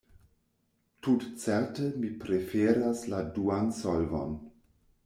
Tutcerte mi preferas la duan solvon.